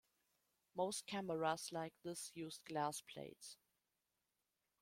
Most cameras like this used glass plates.